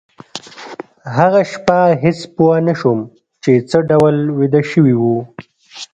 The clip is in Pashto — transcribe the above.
هغه شپه هېڅ پوه نشوم چې څه ډول ویده شوي وو